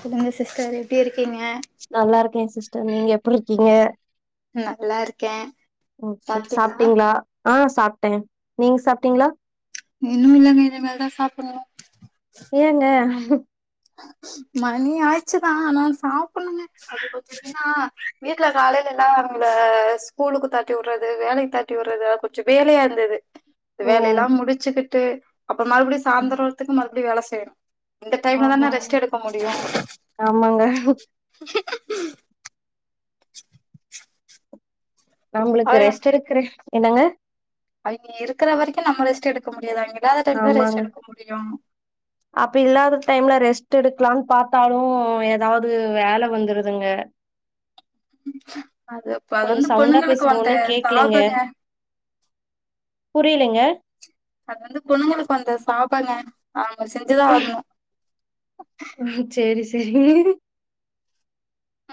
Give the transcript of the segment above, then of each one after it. சொல்லுங்க சிஸ்டர் எப்டி இருக் நல்லா இருக்கே சிஸ்டர் நீங்க எப்டி இருக்கீங்க நல்லா இருக்கேன் ஓகே சாப்பிட்டீங்களா சாப்ட்டீங்ளா ஆ சாப் சாப்ட்டங்க நீங்க சாப்ட்டீங்ளா இன்னு இல்லங்க இனிமேல் தா சாப்டணு ஏங்க [inaudible] மணி ஆய்ச்சுதா ஆனா சாப்டனுங்க அது கொஞ்சோ என்னனா வீட்ல காலேல எல்லா அவங்கள ஸ்கூலுக்கு தாட்டி உட்றது வேலைக்கு தாட்டிவிடுறது எல்லா கொஞ்சோ வேலையா இருந்தது ஓ வேலை எல்லா முடிச்சுக்கிட் ட்டு அப்ற மறுபடி சாந்துறதுக்கு மறுபடி வேல [unintelligible] ண்ணா தான ஆமாங்க ரெஸ்ட்டு எடுக்க முடியு ஆமாங்க [inaudible] நம்மளுக்கு ரெஸ்ட் எடுக்குற என்னங்க அவிங்க இருக்குற வரைக்கு நம்ம ரெஸ்ட்டு எடுக்க முடியாது அவிங்க இல்லாத டைம்ல ரெஸ்ட்டு ஆமாங்க எடுக்க முடியு அப்ப இல்லாத டைம்ல ரெஸ்ட் எடுக்கலான் பாத்தாலு எதாவுது வேல வந்துருதுங்க அது ப அது கொஞ்சோ வந்து சவுண்டா பொண்ணுங்களுக்கு பேசுங்க வந்த ஒன்னு சாபங்க புரியிலெங்க அது வந்து பொண்ணுங்களுக்கு வந்த சாபங்க அவுங்க செஞ்சுதா ஆகனு ம் சேரி சரி ஆ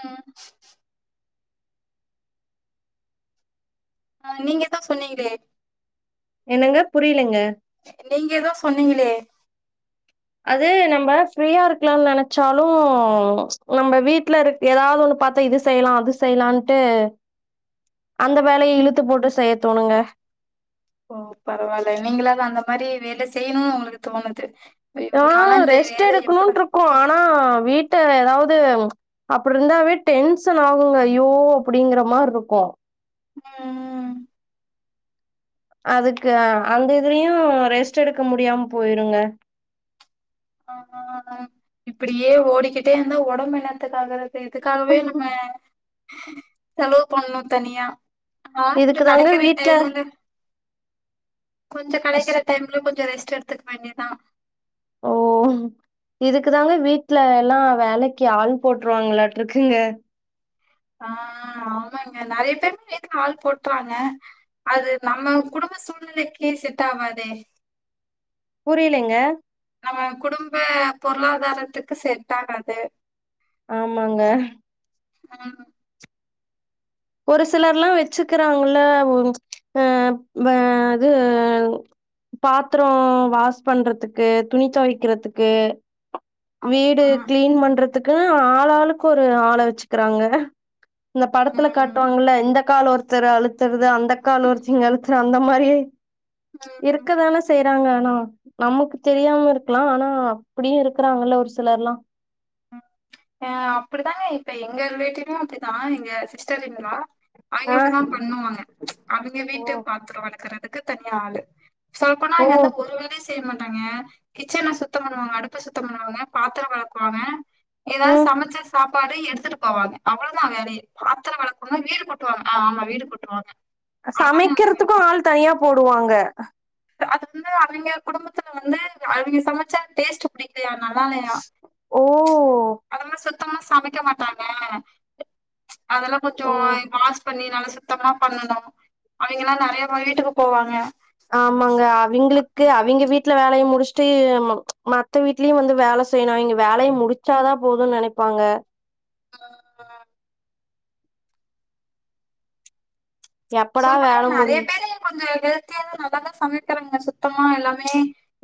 அ நீங்க எதோ சொன்னீங்ளே என்னங்க புரிலெங்க நீங்க எதோ சொன்னீங்களே அது நம்ப ஃப்ரீயா இருக்லான் நெனச்சாலு நம்ம வீட்ல இரு எதாவ்து ஒன்னு பாத்து இது செய்லா அது செய்லான்ட்டு அந்த வேலய இழுத்து போட்டு செய்ய தோணுங்க ஓ பரவால்ல நீங்ளாது அந்த மாரி வேல செய்னு உங்களுக்கு தோணுது ஐயோ ஓ நாலா இந்த ரெஸ்ட் வேல எப்படா எடுக்கணுன்ருக்கு ஆனா வீட்ட எதாவ து அப்புர்ருந்தாவே டென்சன் ஆகுங்க ஐயோ அப்டிங்குற மார்ருக்கு ம் அதுக்கு அந்த இதுலயு ரெஸ்ட் எடுக்க முடியாம போயிருங்க [unintelligible] இப்புடியே ஓடிக்கிட்டே இருந்தா ஒடம்பு என்னத்துக்கு ஆகுற து இதுக்காகவே நம்ம செலவு பண்ணு தனியா வாரத்துல இதுக்கு தாங்க கடைக்கிற வீட்ல டைமுல்ல கொஞ்சொ ஸ் கெடைக்குற டைம்ல கொஞ்ச ரெஸ் ட் எடுத்துக்க வேண்டியதா ஓஹ் இதுக்கு தாங்க வீட்ல எல்லா வேலைக்கு ஆள் போட்ருவாங்ளாட்டுருக்குங்க ஆ ஆமாங்க நெறய பேர் வீட்ல ஆள் போட்றாங்க அது நம்ம குடும்ப சூழ்நிலைக்கு செட் ஆவாதே புரிலெங்க நம்ம குடும்ப பொருளாதாரத்துக்கு செட் ஆகாது ஆமாங்க ஆ ஒரு சிலர்லா வச்சுக்குறாங்கல்ல இப்ப வ அது பாத்ரோ வாஸ் பண்றத்துக்கு துணி தொவைக்றதுக்கு வீடு ஆமா. க்ளீன் பண்ற த்துக்குனு ஆளாளுக்கு ஒரு ஆள வச்சுக்குறாங்க இந்த படத்துல உம் காட்வாங்கல்ல இந்த கால் ஒரு தெராலுத் தெர்து அந்த கால ஒர்ச்சிங்க [unintelligible] ச அந்த மாரி உம் இருக்கதான செய் தேங்கனா நமுக்கு தெரியாம இருக்லா ஆனா அப்டியு இரு இருக்றாங்கல்ல ஒரு சிலர்ல்லா அ அப்டிதாங்க இப்ப எங்க ரிலேட்டிவ்லயு அப்டிதா எங்க சிஸ்டர் ன் லா அவிங்க ஆ இப்டிதா பண்ணுவாங்க அவிங்க ஓ வீட்டு பாத்ரோ வெளக்குறது அதுக்கு தன்யா ஆளு சொல்போனா ஓ அங்கந்த ஒருவேல செ செய்ய மாட்டாங்க கிச்சன் எல்லா சுத்தம் பண்ணுவாங்க அடுப்பு சுத்தம் பண்ணுவாங்க பாத்திர வெளக்குவாங்க ஏதாது ம் சமச்சு சாப் சாப்பாடு எடுத்துட்டு போவாங்க அவ்வள தா வேலையே பாத்திர வெளக்குவாங்க வீடு கூட்டுவாங்க அ ஆமா வீடு கூட்டுவாங்க அவ்வளவுதாங்க அவங்க வேலை சமைக்கிறதுக்கு ஆள் தனியாப் போடுவாங்க அது வந்து அவிங்க குடும்பத்துல வந்து அவிங்க சமைச்சா டேஸ்ட் புடி ஓ ஒ த்தமா சமைக்க மாட்டாங்க அதெல்லா கொஞ்ச ஓ வாஷ் பண்ணி நல்லா சுத் சுத்தமா பண்ணணு அவிங்க எல்லா நெறைய வீட்டுக்கு போவாங்க ஆமாங்க அவிங்களுக்கு அவிங்க வீட் வீட்ல வேலைய முடிச்சுட்டு மத்த வீட்டுலயும வந்து வேல செய்னு இங்க வேலைய முடிச்சாதா போதுனு நெனைப்பாங்க ஆ ஆ எப்படா சொன்னோனே வேல நெறைய முடியும்? பேரு கொஞ்ச ஹெல்த்தியா தா நல்லாதா சமைக்கிறேங்க சுத்தமா எல்லாமே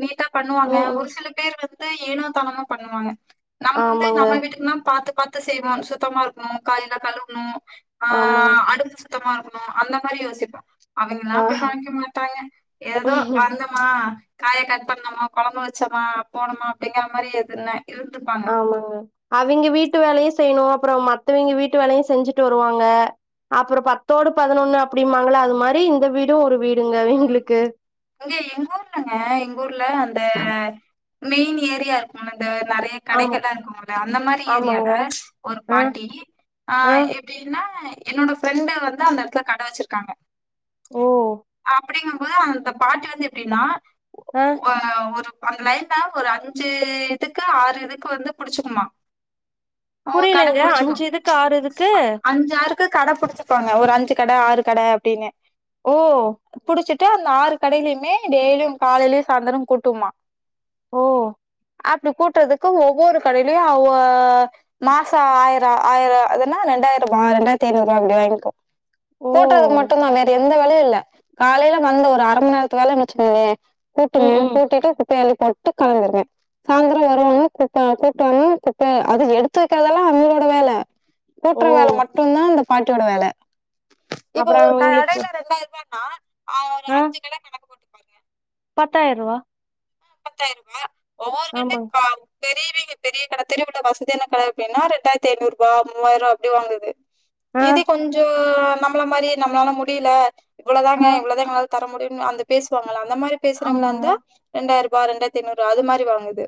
நீட்டா பண்ணுவாங்க ம், ம். ஒரு சில பேர் வந் இப்ப ஏனோ தாணோம பண்ணுவாங்க நம்ம வந்து ஆமாங்க, நம்ம வீட்டுக்குன்னா பாத்து பாத்து செய்வோம் சுத்தமா இருக்கும்ணும் காய் எல்லாம் கழுவணும் ஆ ஆமாங்க. அடுத்து சுத்தமா இருக்கணும் அல்ல [unintelligible] யோசிப்பான் அவுங்கல்லாம் ஆ அப்படி பாக்க மாட்டேன் ஏதோ வந்தமா காய கட் பண்ணமா குழம்பு வச்சோமா போனுமா அப்படிங்கற மாதிரி எதுனே ஆமாங்க அவிங்க வீட்டு வேலையும் செய்யணும் அப்புறம் மத்தவங்க வீட்டு வேலையும் செஞ்சுட்டு வருவாங்க அப்புறம் பத்தோடு பதினொன்னு அப்படிமாங்கள அது மாதிரி இந்த வீடும் ஒரு வீ ம் இங்க எங்க ஊர்லங்க எங்க ஊர்ல அந்த மெயின் ஏரியா இருக்கும்ன்னு இந்த நறைய ஆமா, கடைகள்லாம் இருக்கும்ல அந்த மாதிரி ஆமாங்க. ஏரியால ஒரு ஆ, பாட்டி ஆ எப்படின்னா என்னோட ஃப்ரெண்டு வந்து அந்த இடத்துல கடை வச்சிருக்காங்க ஓ அப்படிங்கும்போது அந்த பாட்டி வந்து எப்படின்னா ஆ ஒ ஒரு அந்த லைன்ல ஒரு அஞ்சு இதுக்கு ஆறு இதுக்கு வந்து புடிச்சுக்குமா புரியலங்க அஞ்சு இதுக்கு ஆறு இதுக்கு கு கடை புடிச்சக்கோங்க ஒரு அஞ்சு கடை ஆறு கடை அப்படின்னு ஓ டிச்சுட்டு அந்த ஆறு கடையிலயுமே டெய்லியும் காலைலயும் சாயந்திரமும் கூட்டுமா ஓ அப்படி கூட்டுறதுக்கு ஒவ்வொரு கடையிலயும் அவ மாசம் ஆயிரம் ஆயிரம் அதன்னா ரெண்டாயிரம் ரூபாய் ரெண்டாயிரத்தி ஐநூறு ரூபாய் அப்படி வாங்கிப்போம் ஓ! கூட்டறதுக்கு மட்டும்தான் வேற எந்த வேலயும் இல்ல காலையில வந்து ஒரு அரை மணி நேரத்து வேலை வச்சுக்கோயேன் கூட்டுங்க ம், ம். கூட்டிட்டு ப்பலை போட்டு கெழம்பிடுவேன் சாயந்தரம் வருவாங்க குப்ப கூட்டும் கூப்ப அது எடுத் து வைக்கிறதெல்லாம் அவிங்களோட வேலை ஓ கூட்டுற வேலை மட்டும்தான் அந்த பாட்டியோட வேலை இப்ப அப்புறம் ஒரு அவங்களுக்கு கடையில ரெண்டாயிரம் ரூபாய் ஆ அவ அஞ்சு தடவ கடக்கு போட்டுக் பாருங்க பத்தாயிருவா முப்பத்தாயிரம் ரூபாய் ஒவ்வொரு கண்ட கா பெரியவங்க பெரிய கடை தெரிவு கிட்ட வசதியான கட அப்டின்னா ரெண்டாயிரத்து ஐநூறு ரூப மூவாயிரம் ரூபாய் அப்டி வாங்குது ஆ இது கொஞ்சோ நம்மள மாரி நம்மளால முடியல இவ்ளதாங்க ஆ இவ்ளதான்ங்க எங்ளால தர முடியு அந்த பேசுவாங்க அந்த மாரி ஆமாங்க பேசுறங்களாந்தா ரெண்டாருபா இண்டாயிரத்தி ஐநூருபா அது மாரி வாங்குது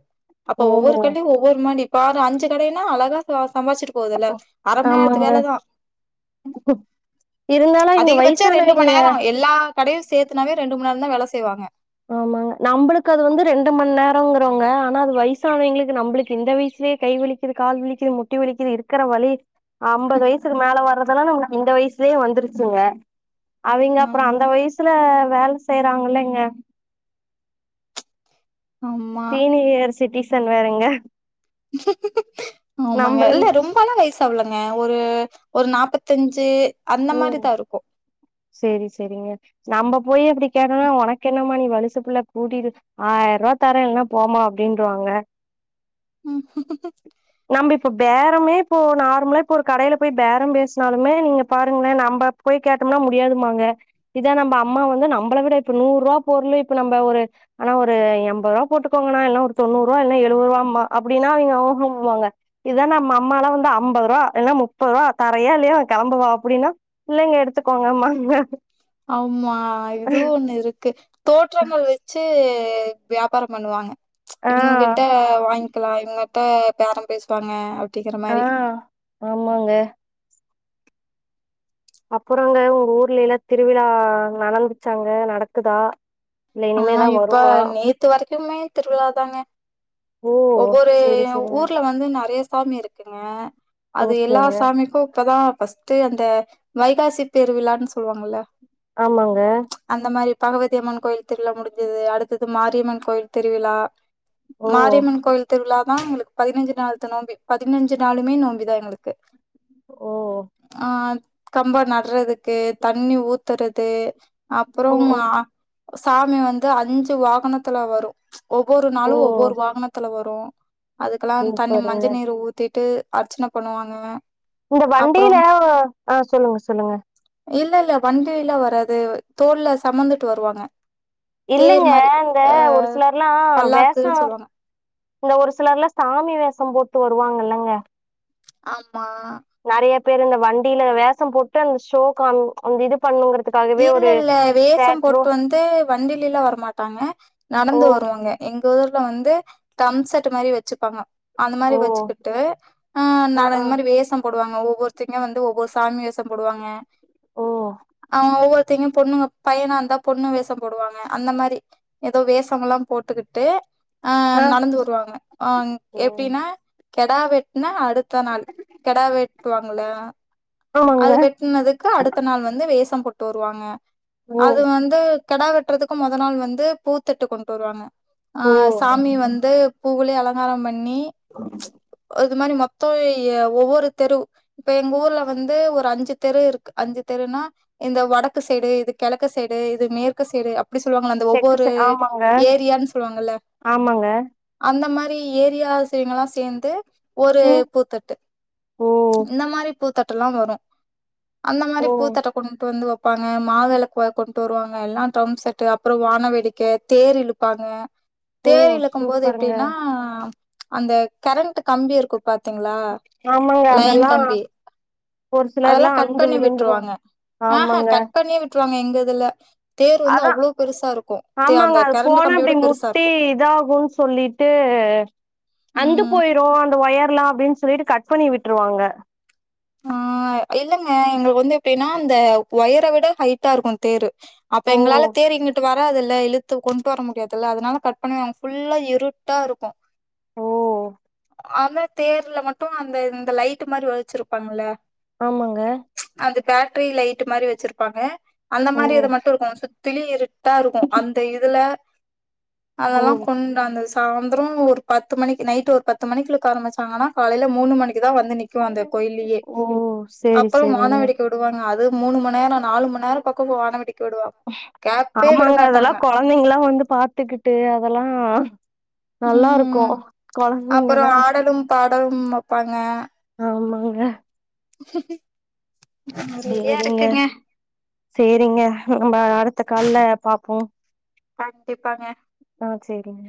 அப்ப ஓ ஒவ்வொரு கடைலயு ஒவ்வொரு மானி பாரு அஞ்சு கடைன்னா அழகா சுவா சம்பாச்சுட்டு போதுல்ல அர மணி நேரத்து ஆமாங்க வேலதான இருந்தாலும் இங்க அதிகபச்சோ ரெண்டு வயசானவங்க மணி நேரோ எல்லா கடையில் சேத்தனாவே ரெண்டு மணி நேரந்தா வேல செய்வாங்க ஆமாங்க நம்பளுக்கு அது வந்து ரெண்டு மணி நேரோங்கிறவங்க ஆனா அது வயசானவங்களுக்கு நம்பளுக்கு இந்த வயசுலேயே கை வலிக்குது கால் வலிக்குது முட்டி வலிக்குது இருக்ற வலி அம்பது வயசுக்கு மேல வர்றதெல்லா நம்ம இந்த வயசுலேயே வந்துருச்சுங்க அவிங்க அப்ற ஆமா, அந்த வயசுல வேல செய்யுறாங்களே ங்க ஆமா. தீன் இயர் சிட்டி சன் வேரங்க [unintelligible] ஆமாங்க இல்ல ரொம்பல வயசு அவ்வளங்க ஒரு ஒரு நாப்பத்தஞ்சு அந்த ம் மாரி தா இருக்கு சேரி சேரிங்க நம்ப போய் அப்டி கேட்டோம்னா ஒனக்கு என்னமா நீ வலசு புள்ள கூடி ஆயிர ரூபா தரே இல்லன்னா போமா அப்டின்றுவாங்க உஹம் [unintelligible] இப்ப பேரமே இப்போ நார்மலா இப்ப ஒரு கடயில போய் பேரம் பேசுனாலுமே நீங்க பாருங்களே நம்ப போய் கேட்டோம்னா முடியாதுமாங்க இதா நம்ம அம்மா வந்து நம்பள விட இப்ப நூறு ரூபா பொருள் இப்ப நம்ப ஒரு ஆனா ஒரு எம்பது ரூபா போட்டுக்கோங்கனா இல்ல ஒரு தொண்ணூறு ரூவா இல்ல எழுவது ரூபாம்மா அப்டினா அவுங்க ஊகும்பாங்க இத நம்ப அம்மாலா வந்து அம்பது ரூவா இல்ல முப்பது ரூபா தரயா இல்லயா கெளம்பு அப்டின்னா இல்லைங்க எடுத்துக்கோங்க மாங்க ஆமா இதுவு ஒன்னு இருக்கு தோற்றங்கள் வச்சு வியாபாரம் பண்ணுவாங்க இவுங்க ஆ கிட்ட வாங்கிக்கலா இவுங்க பே பேரம் பேசுவாங்க அப்டிங்கிற ஆ மாரி ஆமாங்க அப்புறங்க உங்க ஊர்ல எல்லாம் திருவிழா நடந்துச்சாங்க நடக்குதா இல்ல ஆ இனிமேதா இப்ப வருமா நேத்து வரைக்குமே திருவிழாதாங்க ஓ ஒவ்வொரு செரி செரிங்க ஊர்ல வந்து நறையா சாமி இருக்குங்க அது எல்லா ஓகேங்க சாமிக்கும் இப்பதான் ஃபர்ஸ்ட்டு அந்த வைகாசிதிருவிழான்னு சொல்லுவாங்கல்ல ஆமாங்க பகவதிஅம்மன் கோயில் திருவிழா முடிஞ்சது அடுத்தது மாரியம்மன் கோயில் திருவிழா ஓ மாரியம்மன் கோயில் திருவிழா நான் எங்களுக்கு பதினஞ்சு நாள்த்த நோம்பி பதினஞ்சு நாளுமே நோம்பிதான் எங்களுக்கு ஓ ஆ கம்பம் நடுறதுக்கு தண்ணி ஊத்துறது ஓ அப்புறோம் ஓ சாமி வந்து அஞ்சு வாகனத்துல வரும் ஒவ்வொரு ஓ நாளும் ஒவ்வொரு வாகனத்துல வரும் அதுக்கெல்லாம் தண்ணி சூப்பருங்க மஞ்சள் நீரை ஊத்திட்டு அர்ச்சனை பண்ணுவாங்க உங்க வண்டியில அப்புறம் ஆ சொல்லுங்க சொல்லுங்க இல்ல இல்ல வண்டியில்ல வர்ரது தோல்ல சுமந்துட்டு வருவாங்க தேர் இல்லைங்க மாரி இந்த ஒரு அஹ் சிலர்ல்லாம் பல்லாக்குன்னு வேஷம் சொல்லுவாங்க இந்த ஒரு சிலர்ல சாமி வேஷம் போட் டு வருவாங்கல்லங்க ஆம் நறைய பேர் இந்த வண்டியில வேஷம் போட்டு அந்த ஷோ கா அந்த இது பண்ணுங்கிற இல்ல இல்ல வேஷம் போட்டு வந்து வண்டில எல்லாம் வரமாட்டாங்க ஓ நடந்து வருவாங்க எங் க ஊர்ல வந்து தம் செட் மாதிரி வச்சிருப்பாங்க அந்த மாதிரி ஓ வச்சுக்கிட்டு அ ஆ ஆ அந்த மாதிரி வேஷம் போடுவாங்க ஒவ்வொருத்தங்க வந்து ஒவ்வொரு சாமி வேஷம் போடுவாங்க ஓ அவுங்க ஒவ்வொருத்தையும் பொண்ணுங்க பையனா இருந்தா பொண்ணு வேஷம் போடுவாங்க அந்த மாதிரி ஏதோ வேஷம் எல்லாம் போட்டுக்கிட்டு ஆ நடந்து வருவாங்க ஆ ம் எப்படின்னா கெடா வெட்டின அடுத்த நாள் கெடா வெட்டுவாங்கள ஆமாங்க அது வெட்டனதுக்கு அடுத்த நாள் வந்து வேஷ போட்டு வருவாங்க ஓ அது வந்து கிடா வெட்டுறதுக்கு மொதல் நாள் வந்து பூத்தட்டு கொண்டு வருவாங்க ஆ ஓ சாமி வந்து பூவுளே அலங் ஆமா ஆஹ [unintelligible] இது மாதிரி மொத்தம் ஒவ்வொரு தெரு இப்ப எங்க ஊர்ல வந்து ஒரு அஞ்சு தெரு இருக்கு அஞ்சு தெருனா இந்த வடக்கு சைடு இது கிழக்கு சைடு இது மேற்கு சைடு அப் படி சொல்லுவாங்கள அந்த செக்கு ஒவ்வொரு செ ஆமாங்க ஏரியான்னு சொல்லுவாங்க ஆமாங்க அந்த மாதிரி ஏரியா செங் எல்லாம் சேர்ந்து ஒரு ம் பூத்தட்டு ஓ இந்த மாதிரி பூத்தட்டு எல்லாம் வரும் அந்த மாதிரி ஓ பூத்துட்டு வந்து வைப்பாங்க மா விளக்கு கொண்டு வருவாங்க எல்லாம் ட்ரம் செட்டு அப்புறம் வான வேடிக்கை தேர் இழுப்பாங்க ஓ தேர் இழுக்கும் போது சூப்பருங்க எப்படின்னா அந்த கெரண்ட் கம்பி இருக்கு ஆமாங்க லைன் அதெல்லாம் கம்பி ஒரு சிலர்ல்லாம் அருந்து விழுந்துரும் ஆ கட் பண்ணி விட் டோங்க எங்க இதுல தேர் வந்து அதான் அவ்ளோ பெருசா இருக்கு தே அந்த ஆமாங்க அது கரண்ட் போன கம்பியோட அப்படி பெருசா முட்டி இருக்கு இதாகும்ன்னு சொல்லிட்டு அந்து ம் போயிரும் அந்த ஒயர் லாம் அப்படின்னு சொல்லிட்டு கட் பண்ணி விட்டுருவாங்க ஆ இல்லங்க எங்களுக்கு வந்து எப்படின்னா அந்த ஒயரை விட ஹைட்டா இருக்கும் தேரு அப்ப ஓ எங்களால தேர் இங்கிட்டு வ ராதுல்ல இழுத்து கொண்டு வர முடியாதுல்ல அதனால கட் பண்ணிருவாங்க ஃபுல்லா இருட்டா இருக்கும் ஓ ஆனா தேர்ல மட்டும் அந்த இந்த லைட்டு மாதிரி வலிச்சிருப்பாங்கல்ல ஆமாங்க பேட்ரி லைட் மாதிரி வச்சிருப்பாங்க அந்த ஓ மாதிரி இது மட்டும் இருக்கும் சுத் திலி இரு ட்டா இருக்கும் அந்த இதுல ஓ அதெல்லா கொண்டாந்து வச் சாந்ரோ ஒரு பத்து மணிக்கு நைட் ஒரு பத்து மணிக்குள்ள ஆரம்பிச்சாங்னா காலேல மூனு மணி இங்கதா வந்து நிக்கு அந்த கோயில்லயே ஓ சேரி அப்றோ சேரிங்க வானவெடிக்க விடுவாங்க அது மூனு மணி நேரோ நாலு மணி நேரோ பக்க போ வானவேடிக்க ஆமாங்க அதெல்லா கொழந்தைங்கலா வந்து பாத்துக்கிட்டு அதெல்லா நல்லா இருக்கு ம் அப்புறோ கொழந்தைங்கன்னா ஆடலும் பாடலும் வைப்பாங்க ஆமாங்க [unintelligible] நெறயா சேரிங்க இருக்குங்க சேரிங்க நம்ம அடுத்த கால்ல பாப்போ கண்டிப்பாங்க ஆ சேரிங்க